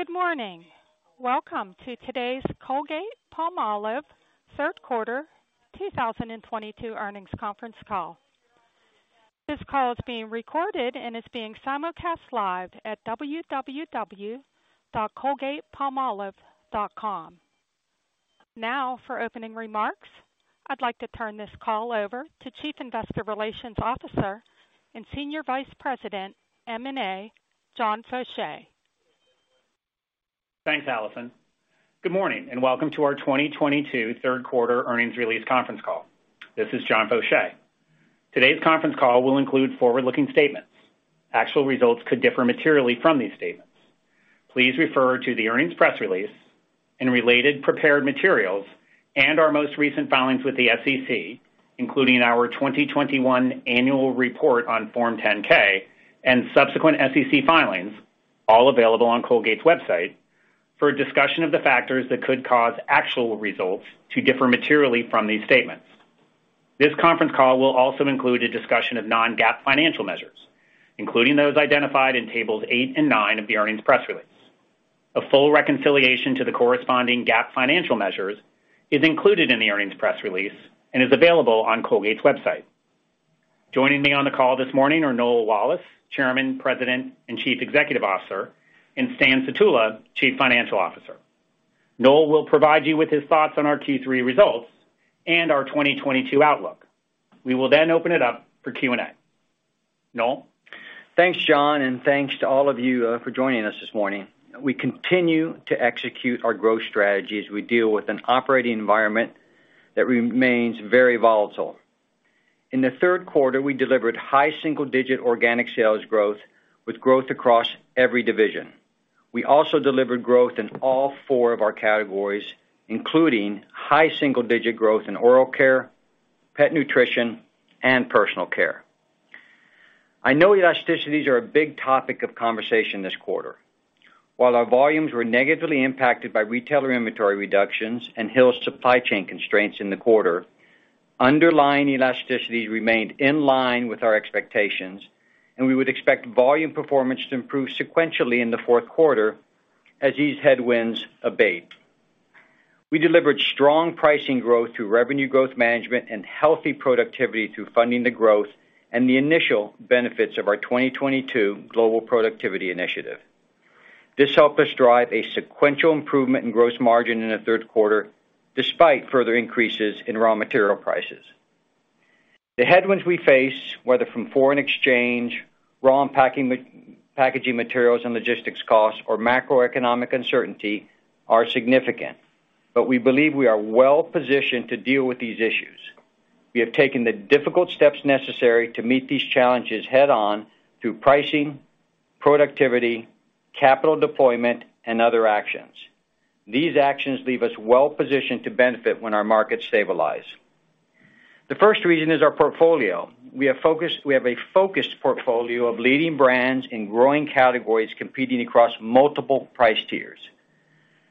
Good morning. Welcome to today's Colgate-Palmolive third quarter 2022 earnings conference call. This call is being recorded and is being simulcast live at www.colgatepalmolive.com. Now, for opening remarks, I'd like to turn this call over to Chief Investor Relations Officer and Senior Vice President, M&A, John Faucher. Thanks, Allison. Good morning, and welcome to our 2022 third quarter earnings release conference call. This is John Faucher. Today's conference call will include forward-looking statements. Actual results could differ materially from these statements. Please refer to the earnings press release and related prepared materials and our most recent filings with the SEC, including our 2021 annual report on Form 10-K and subsequent SEC filings, all available on Colgate's website, for a discussion of the factors that could cause actual results to differ materially from these statements. This conference call will also include a discussion of non-GAAP financial measures, including those identified in tables eight and nine of the earnings press release. A full reconciliation to the corresponding GAAP financial measures is included in the earnings press release and is available on Colgate's website. Joining me on the call this morning are Noel Wallace, Chairman, President, and Chief Executive Officer, and Stan Sutula, Chief Financial Officer. Noel will provide you with his thoughts on our Q3 results and our 2022 outlook. We will then open it up for Q&A. Noel? Thanks, John, and thanks to all of you for joining us this morning. We continue to execute our growth strategy as we deal with an operating environment that remains very volatile. In the third quarter, we delivered high single-digit organic sales growth with growth across every division. We also delivered growth in all four of our categories, including high single-digit growth in oral care, pet nutrition, and personal care. I know elasticities are a big topic of conversation this quarter. While our volumes were negatively impacted by retailer inventory reductions and Hill's supply chain constraints in the quarter, underlying elasticities remained in line with our expectations, and we would expect volume performance to improve sequentially in the fourth quarter as these headwinds abate. We delivered strong pricing growth through revenue growth management and healthy productivity through funding the growth and the initial benefits of our 2022 global productivity initiative. This helped us drive a sequential improvement in gross margin in the third quarter, despite further increases in raw material prices. The headwinds we face, whether from foreign exchange, raw and packaging materials and logistics costs or macroeconomic uncertainty, are significant, but we believe we are well-positioned to deal with these issues. We have taken the difficult steps necessary to meet these challenges head-on through pricing, productivity, capital deployment, and other actions. These actions leave us well-positioned to benefit when our markets stabilize. The first reason is our portfolio. We have a focused portfolio of leading brands in growing categories competing across multiple price tiers.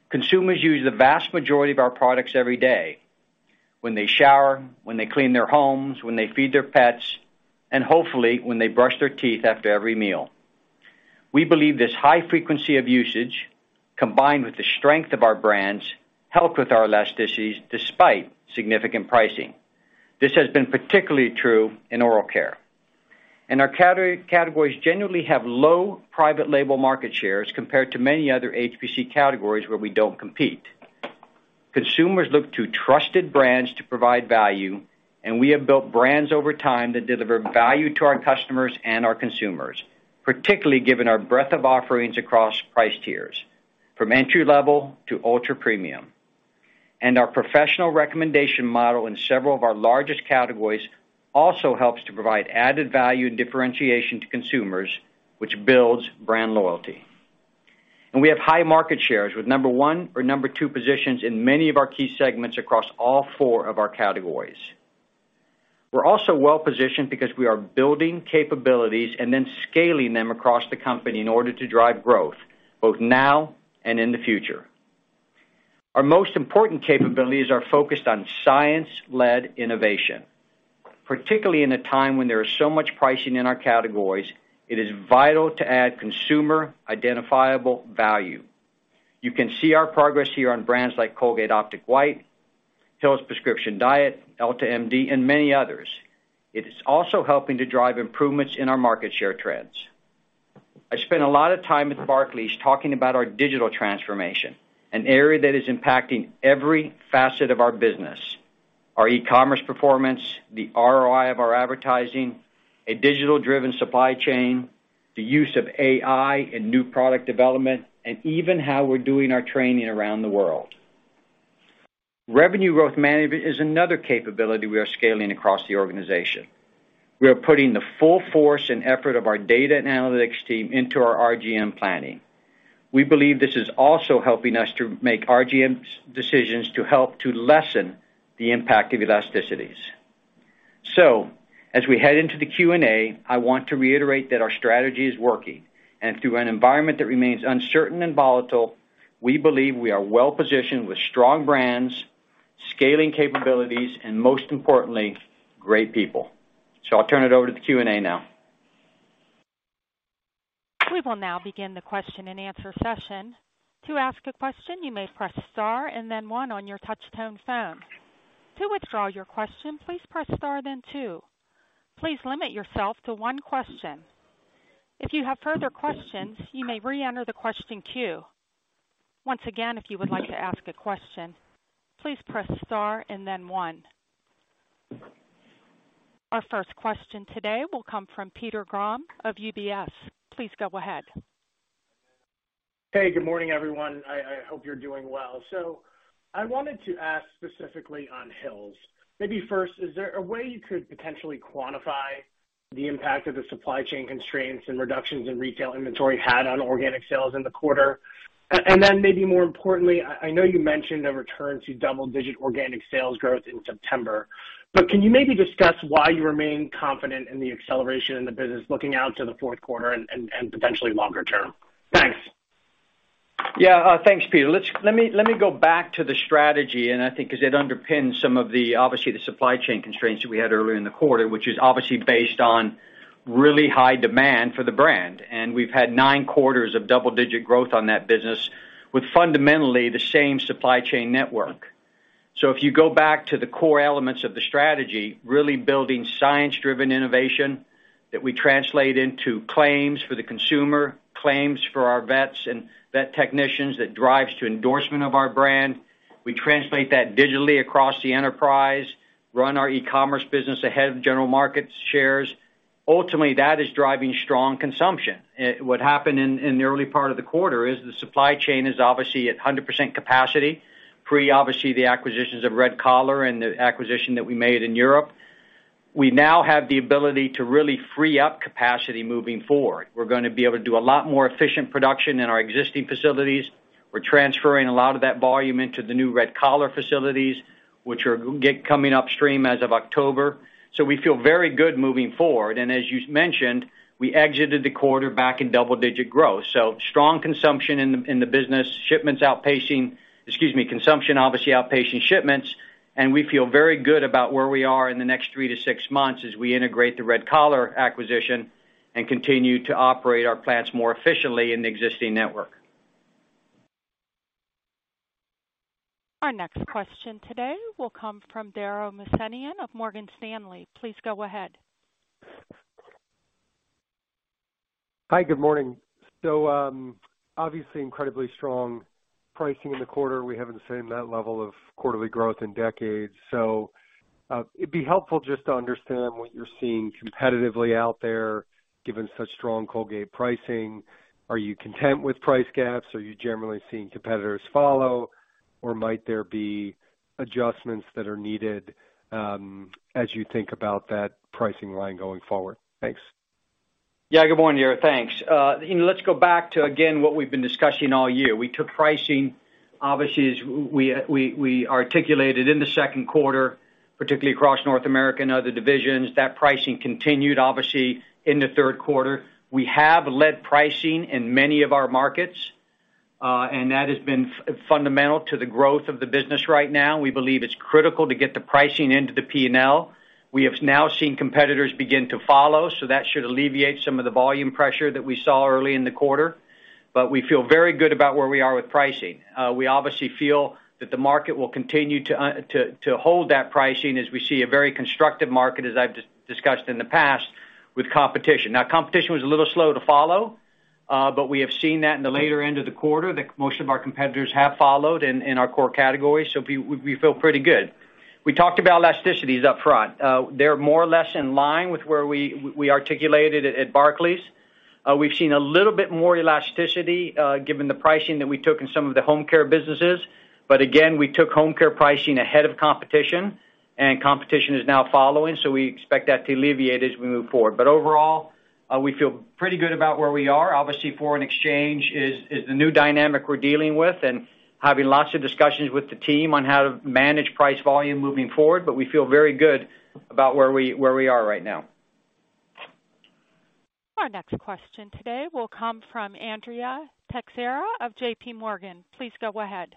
Consumers use the vast majority of our products every day, when they shower, when they clean their homes, when they feed their pets, and hopefully when they brush their teeth after every meal. We believe this high frequency of usage, combined with the strength of our brands, helped with our elasticities despite significant pricing. This has been particularly true in oral care. Our categories generally have low private label market shares compared to many other HPC categories where we don't compete. Consumers look to trusted brands to provide value, and we have built brands over time that deliver value to our customers and our consumers, particularly given our breadth of offerings across price tiers, from entry-level to ultra-premium. Our professional recommendation model in several of our largest categories also helps to provide added value and differentiation to consumers, which builds brand loyalty. We have high market shares with number one or number two positions in many of our key segments across all four of our categories. We're also well-positioned because we are building capabilities and then scaling them across the company in order to drive growth, both now and in the future. Our most important capabilities are focused on science-led innovation. Particularly in a time when there is so much pricing in our categories, it is vital to add consumer identifiable value. You can see our progress here on brands like Colgate Optic White, Hill's Prescription Diet, EltaMD, and many others. It is also helping to drive improvements in our market share trends. I spent a lot of time at Barclays talking about our digital transformation, an area that is impacting every facet of our business, our e-commerce performance, the ROI of our advertising, a digital-driven supply chain, the use of AI in new product development, and even how we're doing our training around the world. Revenue growth management is another capability we are scaling across the organization. We are putting the full force and effort of our data and analytics team into our RGM planning. We believe this is also helping us to make RGM decisions to help to lessen the impact of elasticities. As we head into the Q&A, I want to reiterate that our strategy is working. Through an environment that remains uncertain and volatile, we believe we are well-positioned with strong brands, scaling capabilities and most importantly, great people. I'll turn it over to the Q&A now. We will now begin the question and answer session. To ask a question, you may press star and then one on your touch-tone phone. To withdraw your question, please press star then two. Please limit yourself to one question. If you have further questions, you may reenter the question queue. Once again, if you would like to ask a question, please press star and then one. Our first question today will come from Peter Grom of UBS. Please go ahead. Hey, good morning, everyone. I hope you're doing well. I wanted to ask specifically on Hill's. Maybe first, is there a way you could potentially quantify the impact of the supply chain constraints and reductions in retail inventory had on organic sales in the quarter? And then maybe more importantly, I know you mentioned a return to double-digit organic sales growth in September, but can you maybe discuss why you remain confident in the acceleration in the business looking out to the fourth quarter and potentially longer term? Thanks. Yeah. Thanks, Peter. Let me go back to the strategy, and I think because it underpins some of the, obviously, the supply chain constraints that we had earlier in the quarter, which is obviously based on really high demand for the brand. We've had nine quarters of double-digit growth on that business with fundamentally the same supply chain network. If you go back to the core elements of the strategy, really building science-driven innovation that we translate into claims for the consumer, claims for our vets and vet technicians that drives to endorsement of our brand. We translate that digitally across the enterprise, run our e-commerce business ahead of general market shares. Ultimately, that is driving strong consumption. What happened in the early part of the quarter is the supply chain is obviously at 100% capacity prior to the acquisitions of Red Collar and the acquisition that we made in Europe, obviously. We now have the ability to really free up capacity moving forward. We're gonna be able to do a lot more efficient production in our existing facilities. We're transferring a lot of that volume into the new Red Collar facilities, which are coming onstream as of October. We feel very good moving forward. As you mentioned, we exited the quarter back in double-digit growth. Strong consumption in the business, consumption, obviously, outpacing shipments, and we feel very good about where we are in the next three to six months as we integrate the Red Collar acquisition and continue to operate our plants more efficiently in the existing network. Our next question today will come from Dara Mohsenian of Morgan Stanley. Please go ahead. Hi, good morning. Obviously incredibly strong pricing in the quarter. We haven't seen that level of quarterly growth in decades. It'd be helpful just to understand what you're seeing competitively out there, given such strong Colgate pricing. Are you content with price gaps? Are you generally seeing competitors follow? Or might there be adjustments that are needed, as you think about that pricing line going forward? Thanks. Yeah, good morning, Dara. Thanks. You know, let's go back to, again, what we've been discussing all year. We took pricing. Obviously, as we articulated in the second quarter, particularly across North America and other divisions, that pricing continued, obviously, in the third quarter. We have led pricing in many of our markets, and that has been fundamental to the growth of the business right now. We believe it's critical to get the pricing into the P&L. We have now seen competitors begin to follow, so that should alleviate some of the volume pressure that we saw early in the quarter. We feel very good about where we are with pricing. We obviously feel that the market will continue to hold that pricing as we see a very constructive market, as I've discussed in the past, with competition. Now, competition was a little slow to follow, but we have seen that in the later end of the quarter, that most of our competitors have followed in our core categories. We feel pretty good. We talked about elasticities up front. They're more or less in line with where we articulated at Barclays. We've seen a little bit more elasticity, given the pricing that we took in some of the home care businesses. Again, we took home care pricing ahead of competition, and competition is now following, so we expect that to alleviate as we move forward. Overall, we feel pretty good about where we are. Obviously, foreign exchange is the new dynamic we're dealing with and having lots of discussions with the team on how to manage price volume moving forward. We feel very good about where we are right now. Our next question today will come from Andrea Teixeira of JPMorgan. Please go ahead.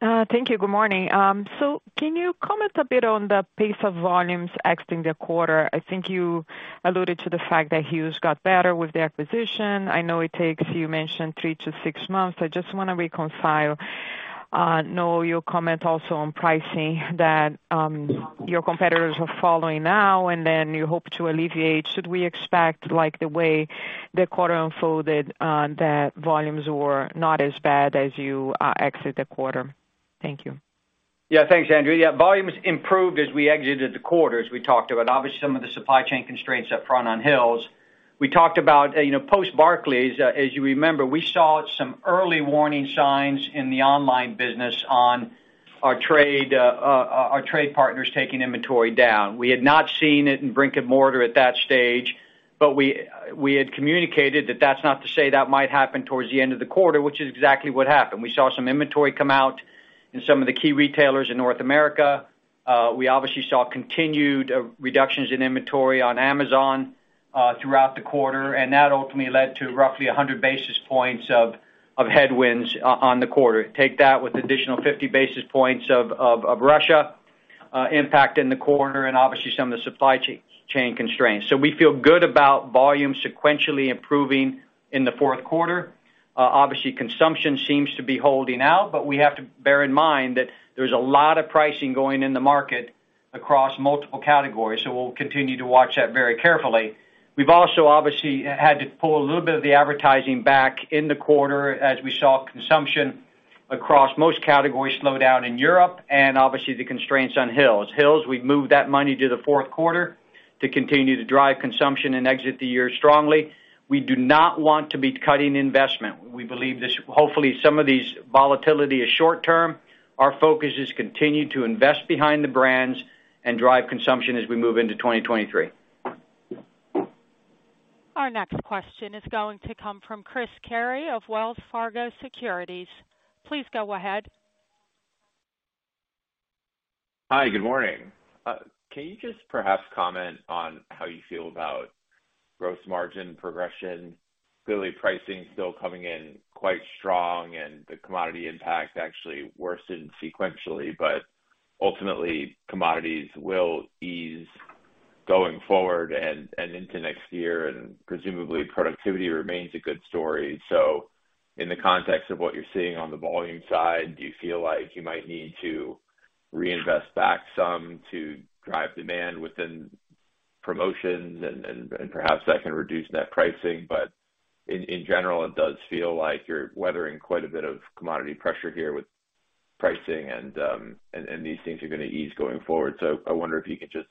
Thank you. Good morning. Can you comment a bit on the pace of volumes exiting the quarter? I think you alluded to the fact that Hughes got better with the acquisition. I know it takes, you mentioned, three to six months. I just wanna reconcile your comment also on pricing that your competitors are following now and then you hope to alleviate. Should we expect, like, the way the quarter unfolded, that volumes were not as bad as you exit the quarter? Thank you. Yeah. Thanks, Andrea. Yeah, volumes improved as we exited the quarter, as we talked about. Obviously, some of the supply chain constraints up front on Hill's. We talked about, you know, post Barclays, as you remember, we saw some early warning signs in the online business on our trade partners taking inventory down. We had not seen it in brick-and-mortar at that stage, but we had communicated that that's not to say that might happen towards the end of the quarter, which is exactly what happened. We saw some inventory come out in some of the key retailers in North America. We obviously saw continued reductions in inventory on Amazon throughout the quarter, and that ultimately led to roughly 100 basis points of headwinds on the quarter. Take that with additional 50 basis points of Russia impact in the quarter and obviously some of the supply chain constraints. We feel good about volume sequentially improving in the fourth quarter. Obviously consumption seems to be holding out, but we have to bear in mind that there's a lot of pricing going in the market across multiple categories. We'll continue to watch that very carefully. We've also obviously had to pull a little bit of the advertising back in the quarter as we saw consumption across most categories slow down in Europe and obviously the constraints on Hill's. Hill's, we've moved that money to the fourth quarter to continue to drive consumption and exit the year strongly. We do not want to be cutting investment. We believe this, hopefully, some of this volatility is short-term. Our focus is to continue to invest behind the brands and drive consumption as we move into 2023. Our next question is going to come from Christopher Carey of Wells Fargo Securities. Please go ahead. Hi, good morning. Can you just perhaps comment on how you feel about gross margin progression? Clearly, pricing is still coming in quite strong and the commodity impact actually worsened sequentially, but ultimately commodities will ease going forward and into next year, and presumably productivity remains a good story. In the context of what you're seeing on the volume side, do you feel like you might need to reinvest back some to drive demand within promotions and perhaps that can reduce net pricing? In general, it does feel like you're weathering quite a bit of commodity pressure here with pricing and these things are gonna ease going forward. I wonder if you could just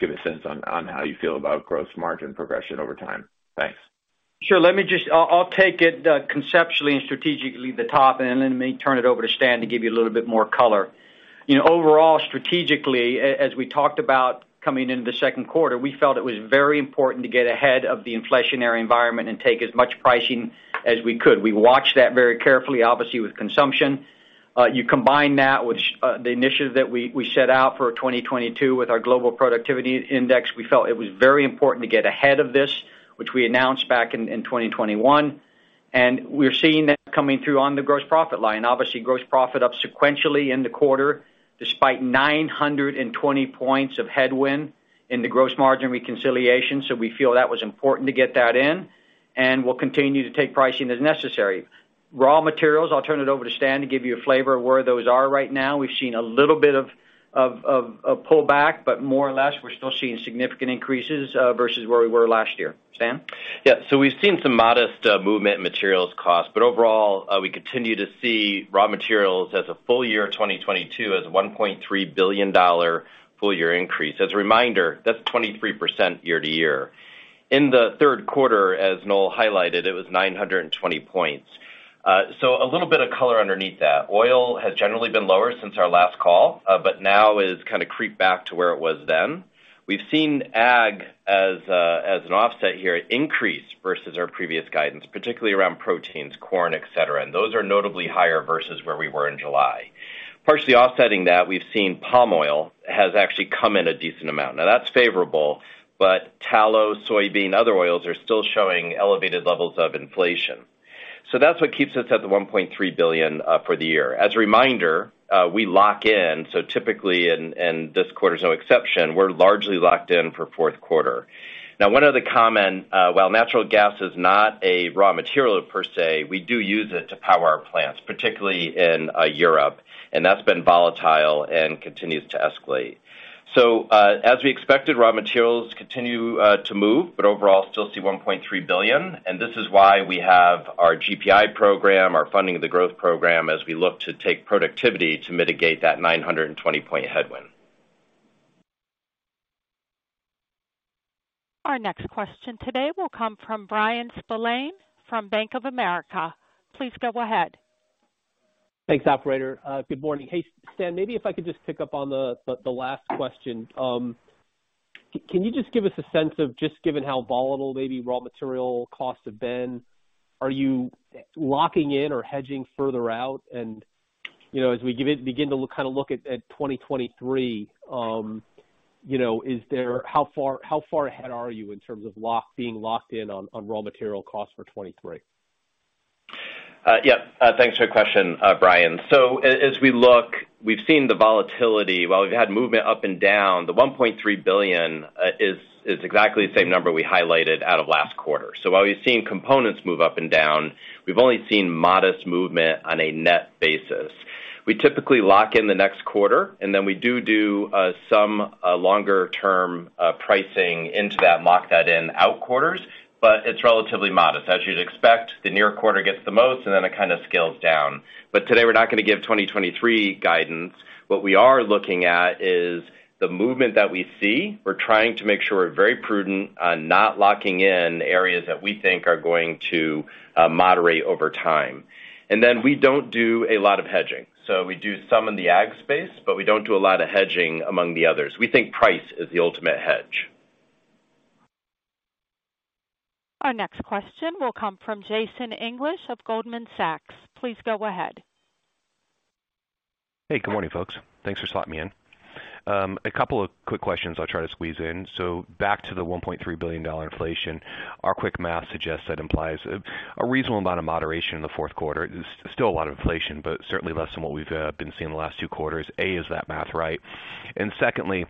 give a sense on how you feel about gross margin progression over time. Thanks. Sure. Let me just. I'll take it conceptually and strategically from the top and then I'll turn it over to Stan to give you a little bit more color. Overall, strategically, as we talked about coming into the second quarter, we felt it was very important to get ahead of the inflationary environment and take as much pricing as we could. We watched that very carefully, obviously, with consumption. You combine that with the initiatives that we set out for 2022 with our global productivity index. We felt it was very important to get ahead of this, which we announced back in 2021. We're seeing that coming through on the gross profit line. Obviously, gross profit up sequentially in the quarter despite 920 points of headwind in the gross margin reconciliation, so we feel that was important to get that in, and we'll continue to take pricing as necessary. Raw materials, I'll turn it over to Stan to give you a flavor of where those are right now. We've seen a little bit of pullback, but more or less, we're still seeing significant increases versus where we were last year. Stan? Yeah. We've seen some modest movement in materials cost, but overall, we continue to see raw materials as a full year 2022 as $1.3 billion full year increase. As a reminder, that's 23% year-over-year. In the third quarter, as Noel highlighted, it was 920 points. A little bit of color underneath that. Oil has generally been lower since our last call, but now is kinda creeped back to where it was then. We've seen ag as an offset here increase versus our previous guidance, particularly around proteins, corn, et cetera. Those are notably higher versus where we were in July. Partially offsetting that, we've seen palm oil has actually come in a decent amount. Now that's favorable, but tallow, soybean, other oils are still showing elevated levels of inflation. That's what keeps us at the $1.3 billion for the year. As a reminder, we lock in, so typically, and this quarter is no exception, we're largely locked in for fourth quarter. Now, one other comment, while natural gas is not a raw material per se, we do use it to power our plants, particularly in Europe, and that's been volatile and continues to escalate. As we expected, raw materials continue to move, but overall still see $1.3 billion, and this is why we have our GPI program, our funding the growth program as we look to take productivity to mitigate that 920-point headwind. Our next question today will come from Bryan Spillane from Bank of America. Please go ahead. Thanks, operator. Good morning. Hey, Stan, maybe if I could just pick up on the last question. Can you just give us a sense of just given how volatile maybe raw material costs have been, are you locking in or hedging further out? You know, as we begin to look kinda at 2023, you know, how far ahead are you in terms of being locked in on raw material costs for 2023? Thanks for your question, Bryan. As we look, we've seen the volatility. While we've had movement up and down, the $1.3 billion is exactly the same number we highlighted out of last quarter. While we've seen components move up and down, we've only seen modest movement on a net basis. We typically lock in the next quarter, and then we do some longer term pricing into that, lock that in out quarters, but it's relatively modest. As you'd expect, the near quarter gets the most, and then it kinda scales down. Today, we're not gonna give 2023 guidance. What we are looking at is the movement that we see, we're trying to make sure we're very prudent on not locking in areas that we think are going to moderate over time. We don't do a lot of hedging. We do some in the ag space, but we don't do a lot of hedging among the others. We think price is the ultimate hedge. Our next question will come from Jason English of Goldman Sachs. Please go ahead. Hey, good morning, folks. Thanks for slotting me in. A couple of quick questions I'll try to squeeze in. Back to the $1.3 billion inflation, our quick math suggests that implies a reasonable amount of moderation in the fourth quarter. It's still a lot of inflation, but certainly less than what we've been seeing the last two quarters. Is that math right? And secondly,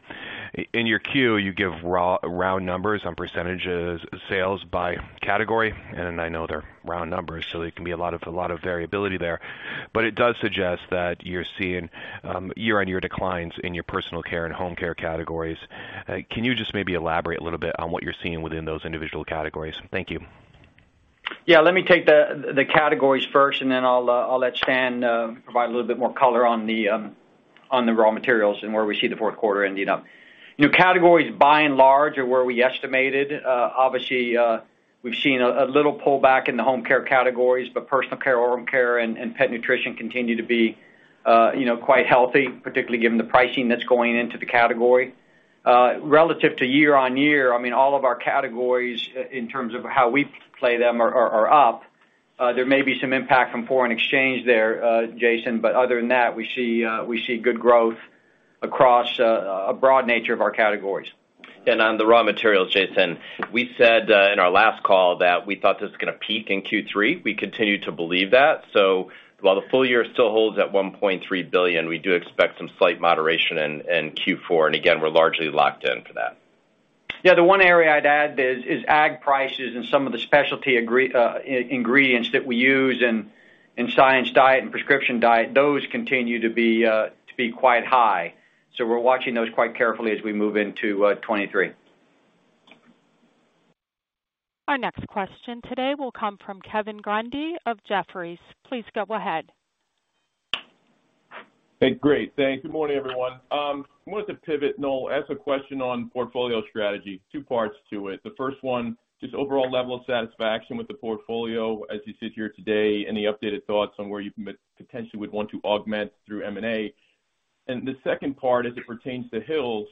in your Q, you give round numbers on percent of sales by category, and I know they're round numbers, so there can be a lot of variability there. But it does suggest that you're seeing year-on-year declines in your personal care and home care categories. Can you just maybe elaborate a little bit on what you're seeing within those individual categories? Thank you. Yeah, let me take the categories first, and then I'll let Stan provide a little bit more color on the raw materials and where we see the fourth quarter ending up. You know, categories by and large are where we estimated. Obviously, we've seen a little pullback in the home care categories, but personal care, oral care and pet nutrition continue to be, you know, quite healthy, particularly given the pricing that's going into the category. Relative to year-on-year, I mean, all of our categories in terms of how we play them are up. There may be some impact from foreign exchange there, Jason, but other than that, we see good growth across a broad nature of our categories. On the raw materials, Jason, we said in our last call that we thought this was gonna peak in Q3. We continue to believe that. While the full year still holds at $1.3 billion, we do expect some slight moderation in Q4. Again, we're largely locked in for that. Yeah, the one area I'd add is ag prices and some of the specialty ingredients that we use in Science Diet and Prescription Diet. Those continue to be quite high. We're watching those quite carefully as we move into 2023. Our next question today will come from Kevin Grundy of Jefferies. Please go ahead. Hey, great. Thanks. Good morning, everyone. I wanted to pivot, Noel, ask a question on portfolio strategy. Two parts to it. The first one, just overall level of satisfaction with the portfolio as you sit here today. Any updated thoughts on where you potentially would want to augment through M&A? The second part, as it pertains to Hill's,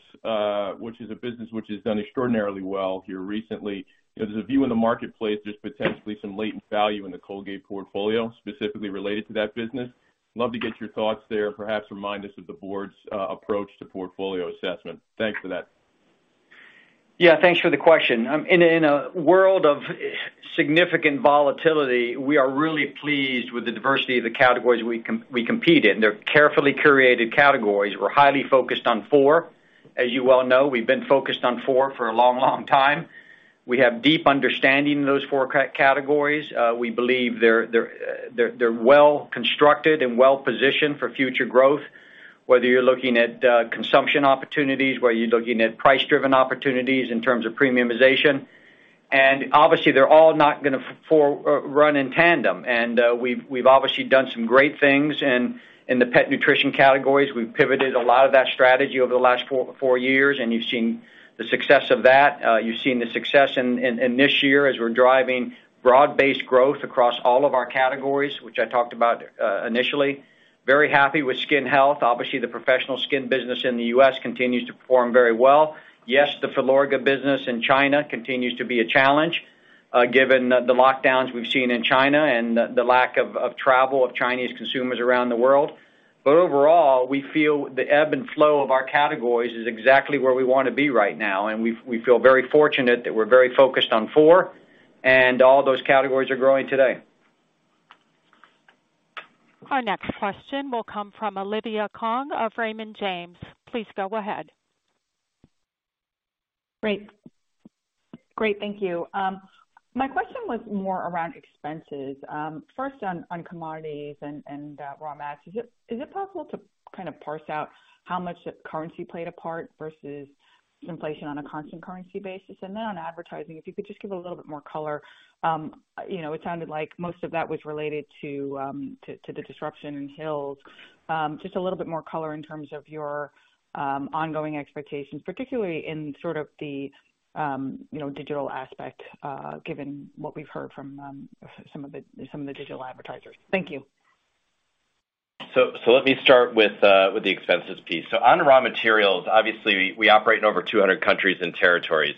which is a business which has done extraordinarily well here recently. There's a view in the marketplace there's potentially some latent value in the Colgate portfolio, specifically related to that business. Love to get your thoughts there, perhaps remind us of the board's approach to portfolio assessment. Thanks for that. Yeah, thanks for the question. In a world of significant volatility, we are really pleased with the diversity of the categories we compete in. They're carefully curated categories. We're highly focused on four. As you well know, we've been focused on four for a long, long time. We have deep understanding of those four categories. We believe they're well constructed and well positioned for future growth, whether you're looking at consumption opportunities, whether you're looking at price-driven opportunities in terms of premiumization. Obviously they're all not gonna run in tandem. We've obviously done some great things in the pet nutrition categories. We've pivoted a lot of that strategy over the last four years, and you've seen the success of that. You've seen the success in this year as we're driving broad-based growth across all of our categories, which I talked about, initially. Very happy with skin health. Obviously, the professional skin business in the U.S. continues to perform very well. The Filorga business in China continues to be a challenge, given the lockdowns we've seen in China and the lack of travel of Chinese consumers around the world. Overall, we feel the ebb and flow of our categories is exactly where we wanna be right now, and we feel very fortunate that we're very focused on four and all those categories are growing today. Our next question will come from Olivia Tong of Raymond James. Please go ahead. Great, thank you. My question was more around expenses. First on commodities and raw mats. Is it possible to kind of parse out how much currency played a part versus inflation on a constant currency basis? On advertising, if you could just give a little bit more color. You know, it sounded like most of that was related to the disruption in Hill's. Just a little bit more color in terms of your ongoing expectations, particularly in sort of the you know, digital aspect, given what we've heard from some of the digital advertisers. Thank you. Let me start with the expenses piece. On raw materials, obviously we operate in over 200 countries and territories.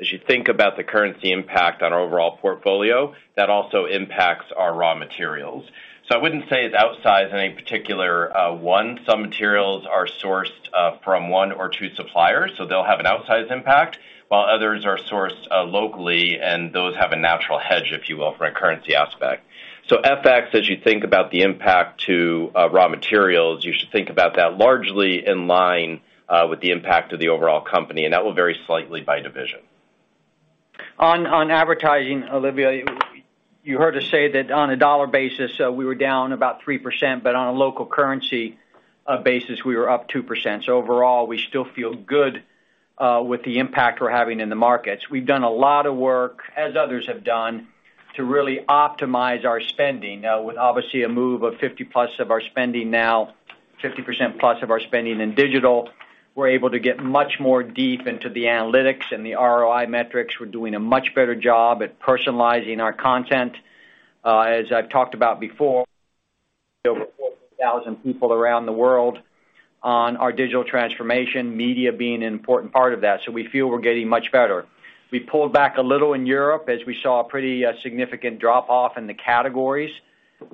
As you think about the currency impact on our overall portfolio, that also impacts our raw materials. I wouldn't say it's outsized in any particular one. Some materials are sourced from one or two suppliers, so they'll have an outsized impact, while others are sourced locally, and those have a natural hedge, if you will, from a currency aspect. FX, as you think about the impact to raw materials, you should think about that largely in line with the impact of the overall company, and that will vary slightly by division. On advertising, Olivia, you heard us say that on a dollar basis, we were down about 3%, but on a local currency basis, we were up 2%. Overall, we still feel good with the impact we're having in the markets. We've done a lot of work, as others have done, to really optimize our spending. Now with obviously a move of 50%+ of our spending in digital, we're able to get much more deep into the analytics and the ROI metrics. We're doing a much better job at personalizing our content. As I've talked about before, over 14,000 people around the world on our digital transformation, media being an important part of that. We feel we're getting much better. We pulled back a little in Europe as we saw a pretty significant drop-off in the categories,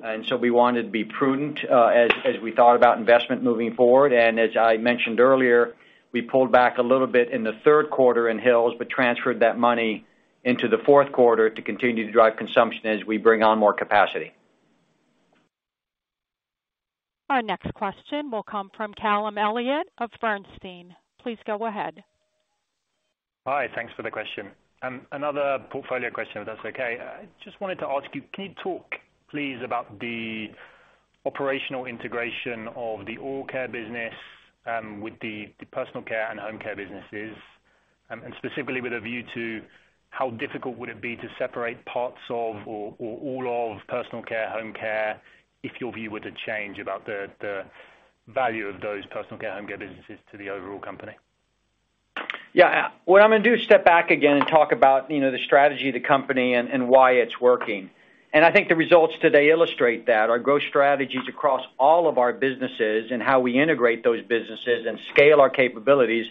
and so we wanted to be prudent as we thought about investment moving forward. As I mentioned earlier, we pulled back a little bit in the third quarter in Hill's, but transferred that money into the fourth quarter to continue to drive consumption as we bring on more capacity. Our next question will come from Callum Elliott of Bernstein. Please go ahead. Hi, thanks for the question. Another portfolio question, if that's okay. I just wanted to ask you, can you talk, please, about the operational integration of the Oral Care business with the Personal Care and Home Care businesses, and specifically with a view to how difficult would it be to separate parts of or all of Personal Care, Home Care if your view were to change about the value of those Personal Care, Home Care businesses to the overall company? Yeah, what I'm gonna do is step back again and talk about, you know, the strategy of the company and why it's working. I think the results today illustrate that. Our growth strategies across all of our businesses and how we integrate those businesses and scale our capabilities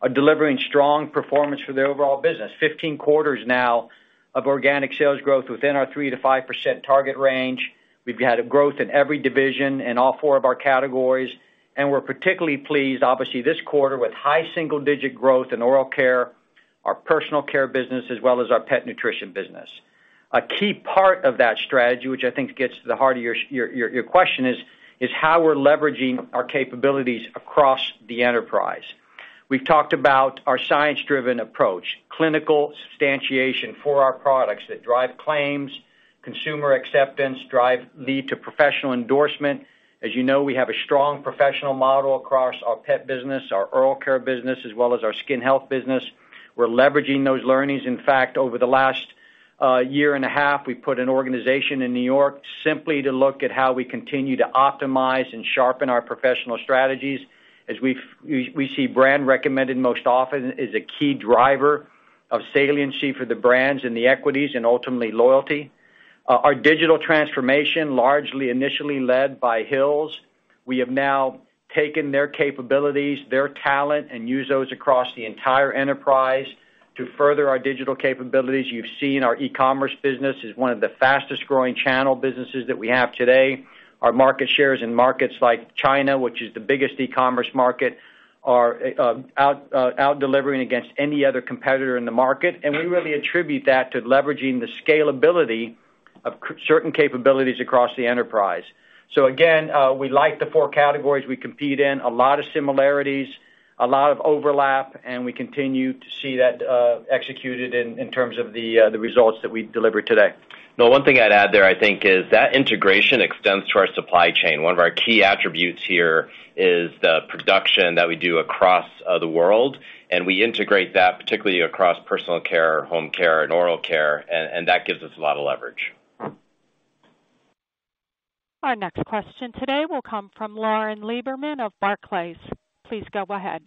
are delivering strong performance for the overall business. 15 quarters now of organic sales growth within our 3%-5% target range. We've had a growth in every division in all four of our categories, and we're particularly pleased, obviously, this quarter with high single-digit growth in Oral Care, our Personal Care business, as well as our Pet Nutrition business. A key part of that strategy, which I think gets to the heart of your question is how we're leveraging our capabilities across the enterprise. We've talked about our science-driven approach, clinical substantiation for our products that drive claims, consumer acceptance, lead to professional endorsement. As you know, we have a strong professional model across our pet business, our oral care business, as well as our skin health business. We're leveraging those learnings. In fact, over the last year and a half, we put an organization in New York simply to look at how we continue to optimize and sharpen our professional strategies as we see brand recommended most often as a key driver of saliency for the brands and the equities and ultimately loyalty. Our digital transformation, largely initially led by Hill's, we have now taken their capabilities, their talent, and use those across the entire enterprise to further our digital capabilities. You've seen our e-commerce business is one of the fastest growing channel businesses that we have today. Our market shares in markets like China, which is the biggest e-commerce market, are out-delivering against any other competitor in the market. We really attribute that to leveraging the scalability of certain capabilities across the enterprise. We like the four categories we compete in. A lot of similarities, a lot of overlap, and we continue to see that executed in terms of the results that we delivered today. No, one thing I'd add there, I think, is that integration extends to our supply chain. One of our key attributes here is the production that we do across the world, and we integrate that particularly across Personal Care, Home Care, and Oral Care, and that gives us a lot of leverage. Our next question today will come from Lauren Lieberman of Barclays. Please go ahead.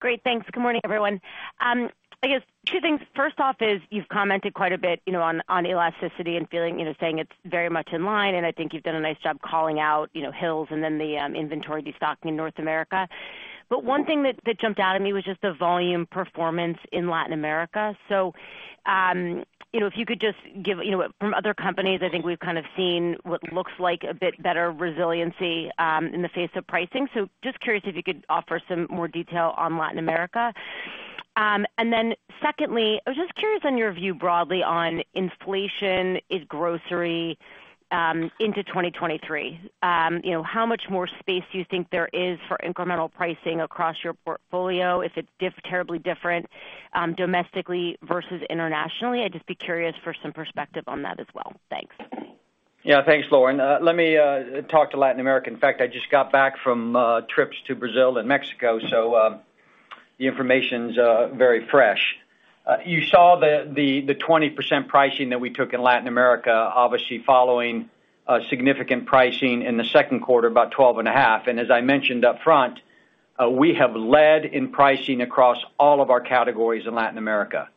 Great. Thanks. Good morning, everyone. I guess two things. First off is you've commented quite a bit, you know, on elasticity and feeling, you know, saying it's very much in line, and I think you've done a nice job calling out, you know, Hill's and then the inventory destocking in North America. One thing that jumped out at me was just the volume performance in Latin America. You know, if you could just give, you know what, from other companies, I think we've kind of seen what looks like a bit better resiliency in the face of pricing. Just curious if you could offer some more detail on Latin America. And then secondly, I was just curious on your view broadly on inflation in grocery into 2023. You know, how much more space do you think there is for incremental pricing across your portfolio? If it's terribly different domestically versus internationally. I'd just be curious for some perspective on that as well. Thanks. Yeah. Thanks, Lauren. Let me talk to Latin America. In fact, I just got back from trips to Brazil and Mexico, so the information's very fresh. You saw the 20% pricing that we took in Latin America, obviously following significant pricing in the second quarter, about 12.5. As I mentioned up front, we have led in pricing across all of our categories in Latin America.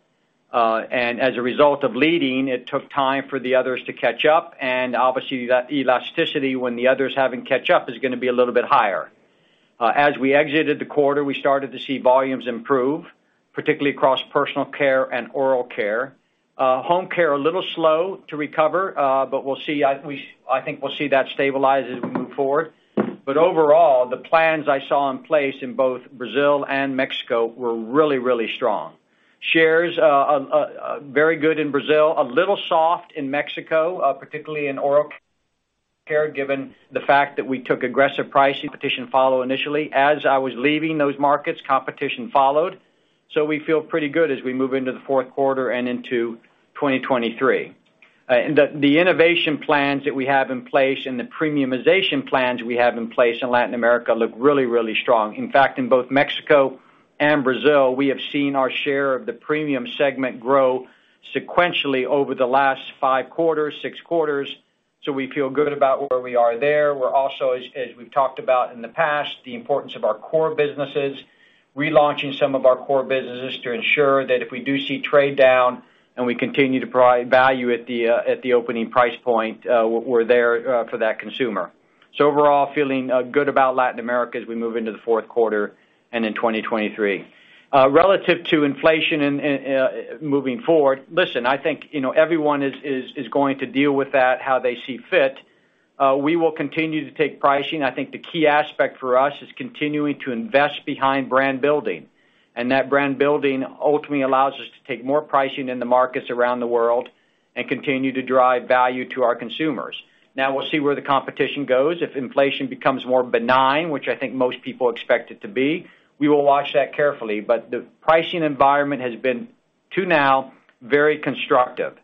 As a result of leading, it took time for the others to catch up, and obviously that elasticity when the others have to catch up is gonna be a little bit higher. As we exited the quarter, we started to see volumes improve, particularly across Personal Care and Oral Care. Home Care, a little slow to recover, but we'll see. I think we'll see that stabilize as we move forward. Overall, the plans I saw in place in both Brazil and Mexico were really, really strong. Shares very good in Brazil. A little soft in Mexico, particularly in Oral Care, given the fact that we took aggressive pricing. Competition followed initially. As I was leaving those markets, competition followed, so we feel pretty good as we move into the fourth quarter and into 2023. The innovation plans that we have in place and the premiumization plans we have in place in Latin America look really, really strong. In fact, in both Mexico and Brazil, we have seen our share of the premium segment grow sequentially over the last five quarters, 6 quarters, so we feel good about where we are there. We're also, as we've talked about in the past, the importance of our core businesses, relaunching some of our core businesses to ensure that if we do see trade down and we continue to provide value at the opening price point, we're there for that consumer. Overall, feeling good about Latin America as we move into the fourth quarter and in 2023. Relative to inflation and moving forward, listen, I think, you know, everyone is going to deal with that how they see fit. We will continue to take pricing. I think the key aspect for us is continuing to invest behind brand building, and that brand building ultimately allows us to take more pricing in the markets around the world and continue to drive value to our consumers. Now we'll see where the competition goes. If inflation becomes more benign, which I think most people expect it to be, we will watch that carefully. The pricing environment has been up to now very constructive,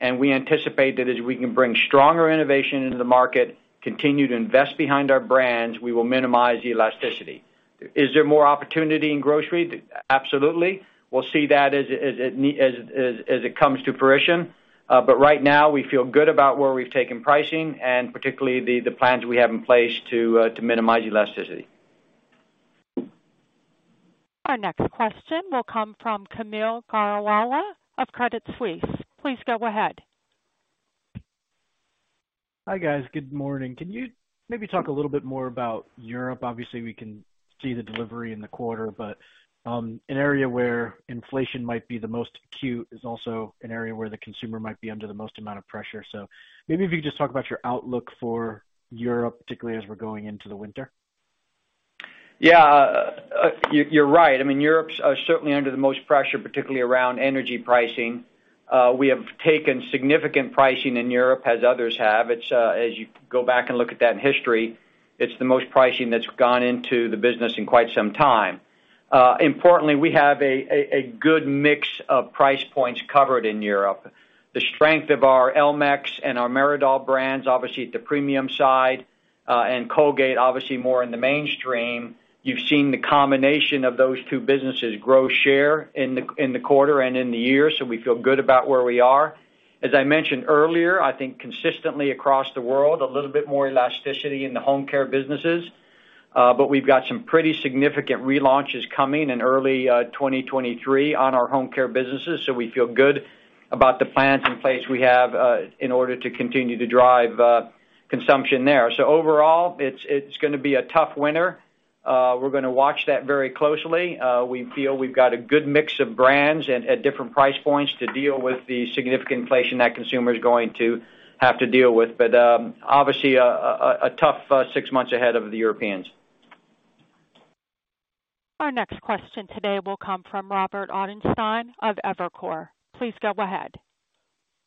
and we anticipate that as we can bring stronger innovation into the market, continue to invest behind our brands, we will minimize elasticity. Is there more opportunity in grocery? Absolutely. We'll see that as it comes to fruition. Right now, we feel good about where we've taken pricing and particularly the plans we have in place to minimize elasticity. Our next question will come from Kaumil Gajrawala of Credit Suisse. Please go ahead. Hi, guys. Good morning. Can you maybe talk a little bit more about Europe? Obviously, we can see the delivery in the quarter, but, an area where inflation might be the most acute is also an area where the consumer might be under the most amount of pressure. Maybe if you could just talk about your outlook for Europe, particularly as we're going into the winter. Yeah. You're right. I mean, Europe's certainly under the most pressure, particularly around energy pricing. We have taken significant pricing in Europe as others have. It's as you go back and look at that in history, it's the most pricing that's gone into the business in quite some time. Importantly, we have a good mix of price points covered in Europe. The strength of our Elmex and our Meridol brands, obviously at the premium side, and Colgate obviously more in the mainstream. You've seen the combination of those two businesses grow share in the quarter and in the year, so we feel good about where we are. As I mentioned earlier, I think consistently across the world, a little bit more elasticity in the home care businesses. We've got some pretty significant relaunches coming in early 2023 on our home care businesses, so we feel good about the plans in place we have in order to continue to drive consumption there. Overall, it's gonna be a tough winter. We're gonna watch that very closely. We feel we've got a good mix of brands at different price points to deal with the significant inflation that consumers are going to have to deal with. Obviously a tough six months ahead of the Europeans. Our next question today will come from Robert Ottenstein of Evercore. Please go ahead.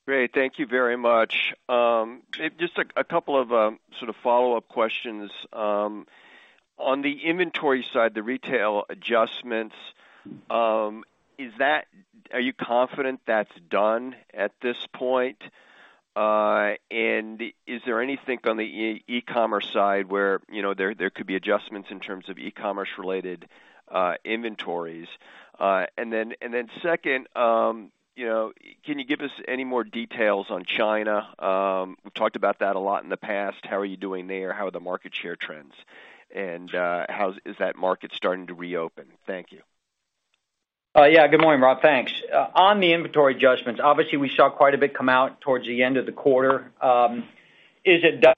Great. Thank you very much. Just a couple of sort of follow-up questions. On the inventory side, the retail adjustments, are you confident that's done at this point? And is there anything on the e-commerce side where, you know, there could be adjustments in terms of e-commerce related inventories? And then second, you know, can you give us any more details on China? We've talked about that a lot in the past. How are you doing there? How are the market share trends? And how is that market starting to reopen? Thank you. Yeah. Good morning, Rob. Thanks. On the inventory adjustments, obviously, we saw quite a bit come out towards the end of the quarter. Is it done?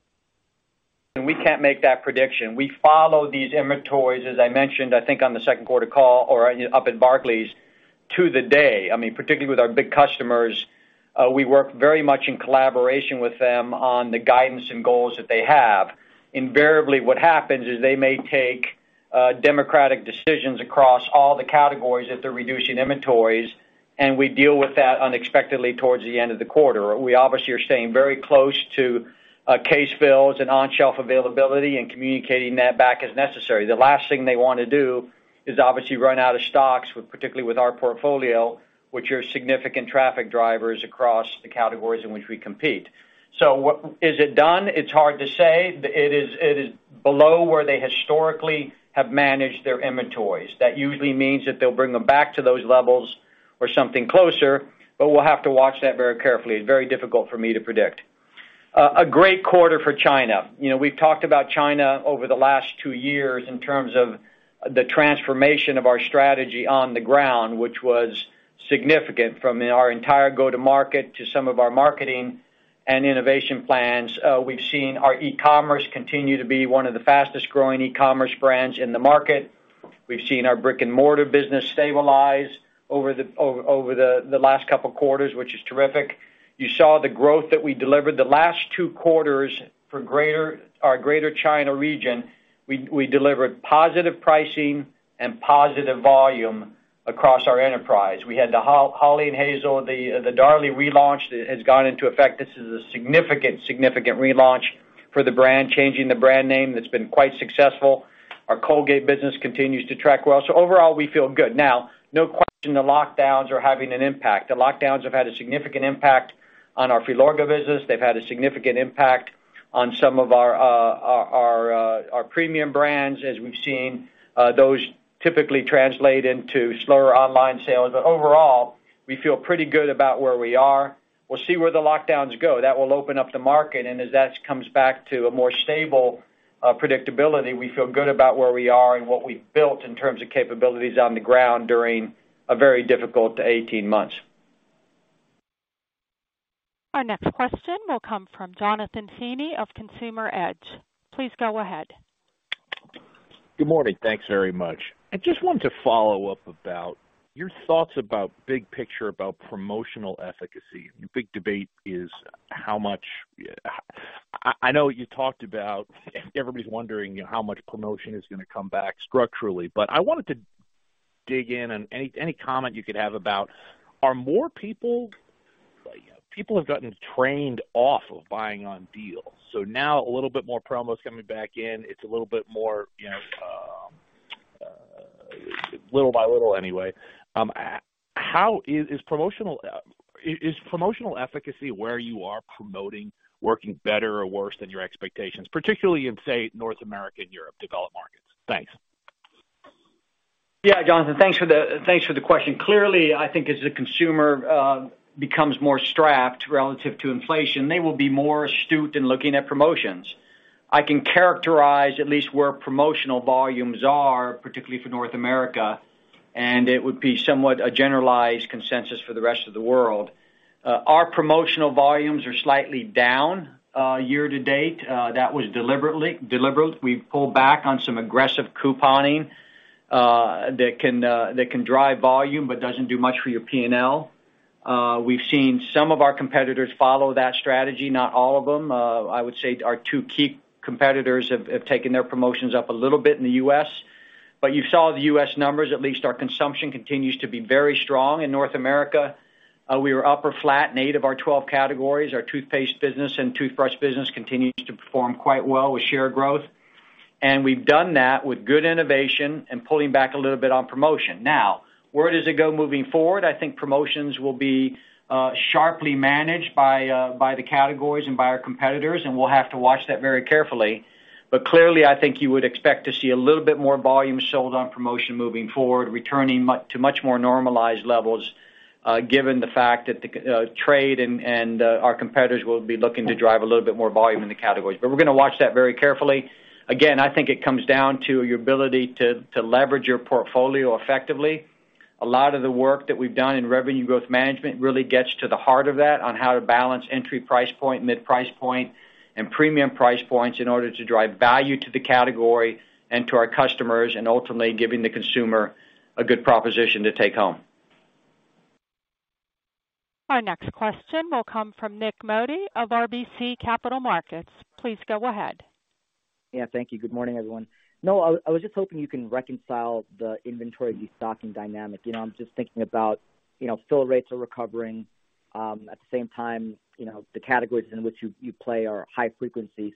We can't make that prediction. We follow these inventories, as I mentioned, I think on the second quarter call or up at Barclays, to the day. I mean, particularly with our big customers, we work very much in collaboration with them on the guidance and goals that they have. Invariably, what happens is they may take drastic decisions across all the categories if they're reducing inventories, and we deal with that unexpectedly towards the end of the quarter. We obviously are staying very close to case fills and on-shelf availability and communicating that back as necessary. The last thing they wanna do is obviously run out of stocks, particularly with our portfolio, which are significant traffic drivers across the categories in which we compete. Is it done? It's hard to say. It is below where they historically have managed their inventories. That usually means that they'll bring them back to those levels or something closer, but we'll have to watch that very carefully. It's very difficult for me to predict. A great quarter for China. You know, we've talked about China over the last two years in terms of the transformation of our strategy on the ground, which was significant from our entire go-to-market to some of our marketing and innovation plans. We've seen our e-commerce continue to be one of the fastest-growing e-commerce brands in the market. We've seen our brick-and-mortar business stabilize over the last couple quarters, which is terrific. You saw the growth that we delivered. The last two quarters for our Greater China region, we delivered positive pricing and positive volume across our enterprise. We had the Hawley & Hazel, the Darlie relaunch has gone into effect. This is a significant relaunch for the brand, changing the brand name that's been quite successful. Our Colgate business continues to track well. Overall, we feel good. No question, the lockdowns are having an impact. The lockdowns have had a significant impact on our Filorga business. They've had a significant impact on some of our our premium brands as we've seen, those typically translate into slower online sales. Overall, we feel pretty good about where we are. We'll see where the lockdowns go. That will open up the market, and as that comes back to a more stable, predictability, we feel good about where we are and what we've built in terms of capabilities on the ground during a very difficult 18 months. Our next question will come from Jonathan Feeney of Consumer Edge. Please go ahead. Good morning. Thanks very much. I just wanted to follow up about your thoughts about big picture, about promotional efficacy. The big debate is how much I know you talked about everybody's wondering how much promotion is gonna come back structurally, but I wanted to dig in and any comment you could have about People have gotten trained off of buying on deals, so now a little bit more promos coming back in. It's a little bit more, you know, little by little anyway. Is promotional efficacy where you are promoting working better or worse than your expectations, particularly in, say, North America and Europe developed markets? Thanks. Yeah. Jonathan, thanks for the question. Clearly, I think as the consumer becomes more strapped relative to inflation, they will be more astute in looking at promotions. I can characterize at least where promotional volumes are, particularly for North America, and it would be somewhat a generalized consensus for the rest of the world. Our promotional volumes are slightly down year to date. That was deliberate. We pulled back on some aggressive couponing that can drive volume but doesn't do much for your P&L. We've seen some of our competitors follow that strategy, not all of them. I would say our two key competitors have taken their promotions up a little bit in the U.S. You saw the U.S. numbers. At least our consumption continues to be very strong in North America. We were up or flat in eight of our 12 categories. Our toothpaste business and toothbrush business continues to perform quite well with share growth. We've done that with good innovation and pulling back a little bit on promotion. Now, where does it go moving forward? I think promotions will be sharply managed by the categories and by our competitors, and we'll have to watch that very carefully. Clearly, I think you would expect to see a little bit more volume sold on promotion moving forward, returning to much more normalized levels, given the fact that the trade and our competitors will be looking to drive a little bit more volume in the categories. We're gonna watch that very carefully. Again, I think it comes down to your ability to leverage your portfolio effectively. A lot of the work that we've done in revenue growth management really gets to the heart of that on how to balance entry price point, mid-price point, and premium price points in order to drive value to the category and to our customers, and ultimately giving the consumer a good proposition to take home. Our next question will come from Nik Modi of RBC Capital Markets. Please go ahead. Yeah, thank you. Good morning, everyone. No, I was just hoping you can reconcile the inventory stocking dynamic. You know, I'm just thinking about, you know, fill rates are recovering. At the same time, you know, the categories in which you play are high frequency.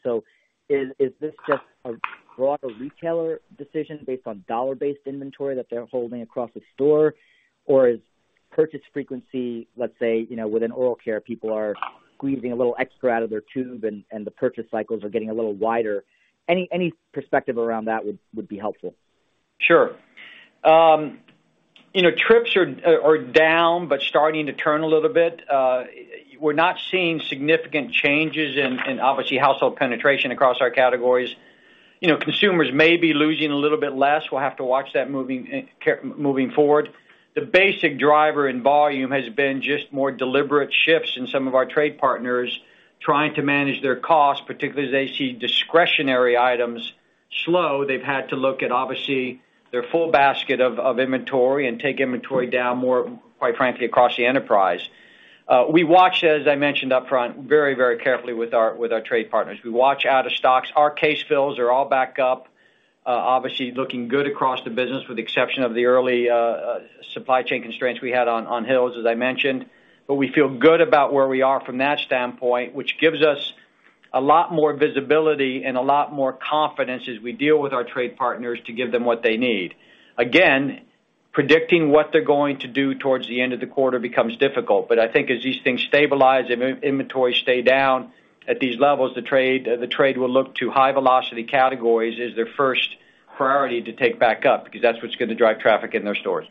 Is this just a broader retailer decision based on dollar-based inventory that they're holding across the store? Or is purchase frequency, let's say, you know, within oral care, people are squeezing a little extra out of their tube and the purchase cycles are getting a little wider. Any perspective around that would be helpful. Sure. You know, trips are down, but starting to turn a little bit. We're not seeing significant changes in, obviously, household penetration across our categories. You know, consumers may be losing a little bit less. We'll have to watch that moving forward. The basic driver in volume has been just more deliberate shifts in some of our trade partners trying to manage their costs, particularly as they see discretionary items slow. They've had to look at, obviously, their full basket of inventory and take inventory down more, quite frankly, across the enterprise. We watch, as I mentioned up front, very, very carefully with our trade partners. We watch out of stocks. Our case fills are all back up, obviously looking good across the business with the exception of the early supply chain constraints we had on Hill's, as I mentioned. We feel good about where we are from that standpoint, which gives us a lot more visibility and a lot more confidence as we deal with our trade partners to give them what they need. Again, predicting what they're going to do towards the end of the quarter becomes difficult. I think as these things stabilize and inventory stay down at these levels, the trade will look to high velocity categories as their first priority to take back up, because that's what's gonna drive traffic in their stores.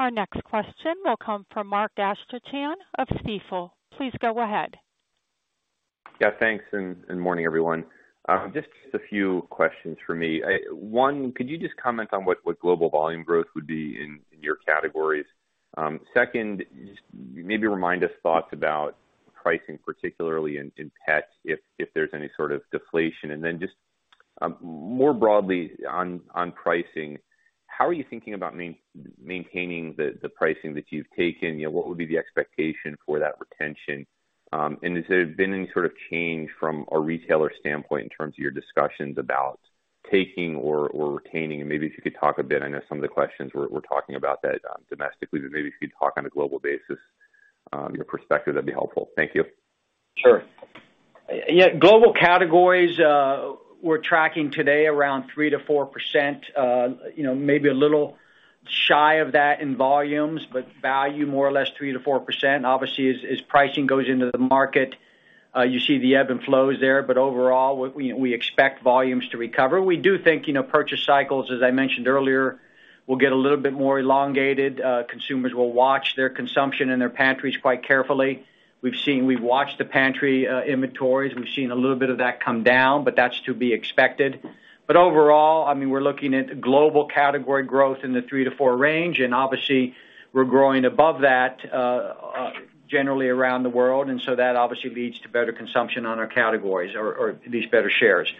Our next question will come from Mark Astrachan of Stifel. Please go ahead. Yeah, thanks. Morning, everyone. Just a few questions for me. One, could you just comment on what global volume growth would be in your categories? Second, just maybe remind us of your thoughts about pricing, particularly in pets, if there's any sort of deflation. More broadly on pricing, how are you thinking about maintaining the pricing that you've taken? You know, what would be the expectation for that retention? Has there been any sort of change from a retailer standpoint in terms of your discussions about taking or retaining? Maybe if you could talk a bit, I know some of the questions we're talking about that domestically, but maybe if you could talk on a global basis, your perspective, that'd be helpful. Thank you. Sure. Yeah, global categories, we're tracking today around 3%-4%, you know, maybe a little shy of that in volumes, but value more or less 3%-4%. Obviously, as pricing goes into the market, you see the ebb and flows there. Overall, we expect volumes to recover. We do think, you know, purchase cycles, as I mentioned earlier, will get a little bit more elongated. Consumers will watch their consumption and their pantries quite carefully. We've watched the pantry inventories. We've seen a little bit of that come down, but that's to be expected. Overall, I mean, we're looking at global category growth in the 3%-4% range, and obviously we're growing above that generally around the world, and so that obviously leads to better consumption on our categories or at least better shares.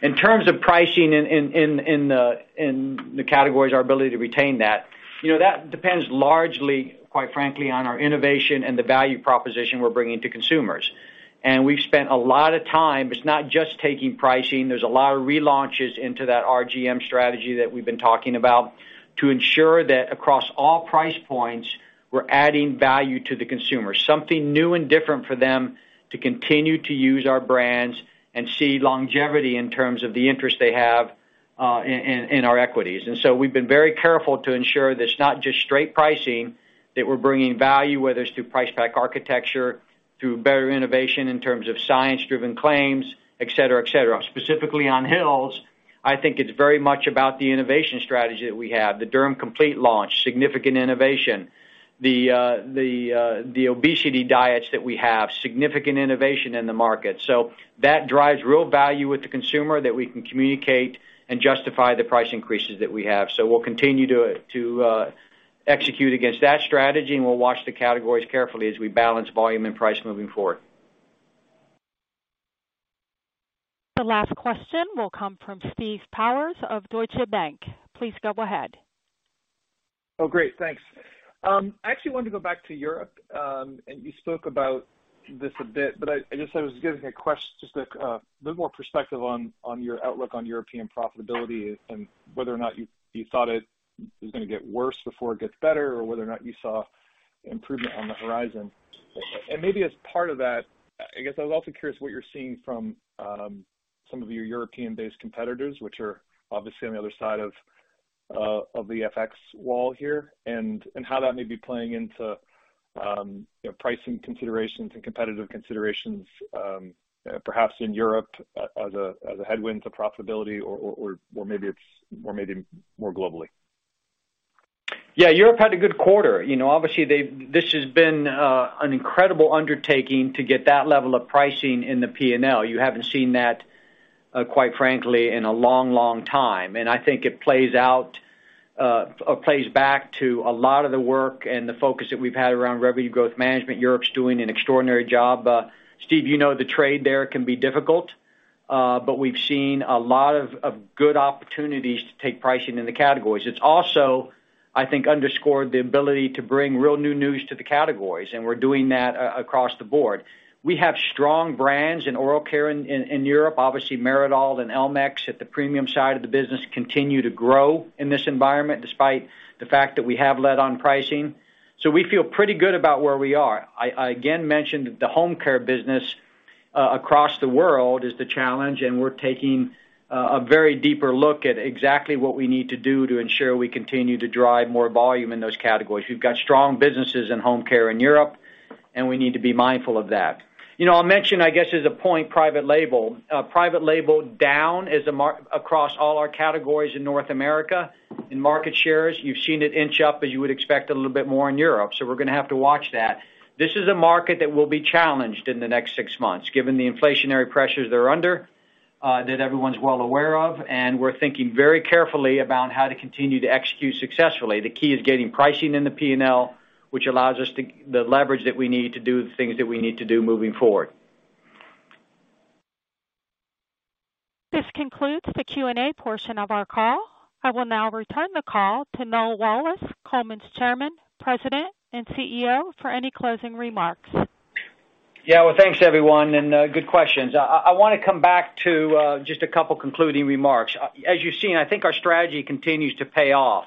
In terms of pricing in the categories, our ability to retain that, you know, that depends largely, quite frankly, on our innovation and the value proposition we're bringing to consumers. We've spent a lot of time. It's not just taking pricing. There's a lot of relaunches into that RGM strategy that we've been talking about to ensure that across all price points, we're adding value to the consumer, something new and different for them to continue to use our brands and see longevity in terms of the interest they have in our equities. We've been very careful to ensure that it's not just straight pricing, that we're bringing value, whether it's through price pack architecture, through better innovation in terms of science-driven claims, et cetera, et cetera. Specifically on Hill's, I think it's very much about the innovation strategy that we have. The Derm Complete launch, significant innovation. The obesity diets that we have, significant innovation in the market. That drives real value with the consumer that we can communicate and justify the price increases that we have. We'll continue to execute against that strategy, and we'll watch the categories carefully as we balance volume and price moving forward. The last question will come from Steve Powers of Deutsche Bank. Please go ahead. Oh, great. Thanks. I actually wanted to go back to Europe, and you spoke about this a bit, but I just, like, a little more perspective on your outlook on European profitability and whether or not you thought it was gonna get worse before it gets better or whether or not you saw improvement on the horizon. Maybe as part of that, I guess I was also curious what you're seeing from some of your European-based competitors, which are obviously on the other side of the FX wall here, and how that may be playing into you know, pricing considerations and competitive considerations, perhaps in Europe as a headwind to profitability or maybe more globally. Yeah, Europe had a good quarter. You know, obviously, this has been an incredible undertaking to get that level of pricing in the P&L. You haven't seen that, quite frankly, in a long, long time. I think it plays out or plays back to a lot of the work and the focus that we've had around revenue growth management. Europe's doing an extraordinary job. Steve, you know, the trade there can be difficult, but we've seen a lot of good opportunities to take pricing in the categories. It's also, I think, underscored the ability to bring real new news to the categories, and we're doing that across the board. We have strong brands in oral care in Europe. Obviously, Meridol and Elmex at the premium side of the business continue to grow in this environment despite the fact that we have led on pricing. We feel pretty good about where we are. I again mentioned the home care business across the world is the challenge, and we're taking a very deep look at exactly what we need to do to ensure we continue to drive more volume in those categories. We've got strong businesses in home care in Europe, and we need to be mindful of that. You know, I'll mention, I guess, as a point, private label. Private label is down across all our categories in North America. In market shares, you've seen it inch up, as you would expect a little bit more in Europe. We're gonna have to watch that. This is a market that will be challenged in the next six months, given the inflationary pressures they're under, that everyone's well aware of, and we're thinking very carefully about how to continue to execute successfully. The key is getting pricing in the P&L, which allows us to get the leverage that we need to do the things that we need to do moving forward. This concludes the Q&A portion of our call. I will now return the call to Noel Wallace, Colgate's Chairman, President, and CEO, for any closing remarks. Yeah. Well, thanks, everyone, and good questions. I wanna come back to just a couple concluding remarks. As you've seen, I think our strategy continues to pay off.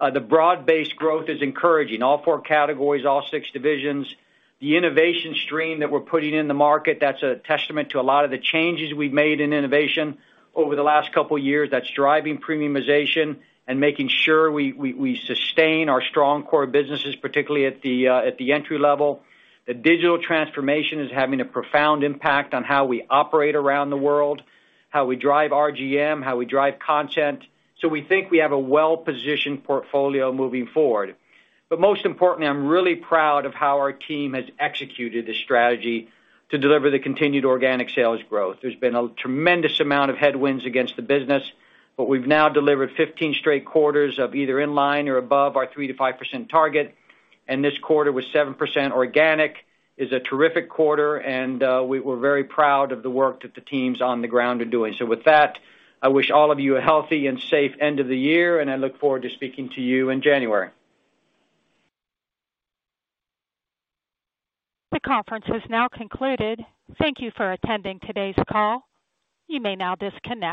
The broad-based growth is encouraging. All four categories, all six divisions. The innovation stream that we're putting in the market, that's a testament to a lot of the changes we've made in innovation over the last couple years that's driving premiumization and making sure we sustain our strong core businesses, particularly at the entry level. The digital transformation is having a profound impact on how we operate around the world, how we drive RGM, how we drive content. We think we have a well-positioned portfolio moving forward. Most importantly, I'm really proud of how our team has executed this strategy to deliver the continued organic sales growth. There's been a tremendous amount of headwinds against the business, but we've now delivered 15 straight quarters of either in line or above our 3%-5% target. This quarter with 7% organic is a terrific quarter, and we're very proud of the work that the teams on the ground are doing. With that, I wish all of you a healthy and safe end of the year, and I look forward to speaking to you in January. The conference has now concluded. Thank you for attending today's call. You may now disconnect.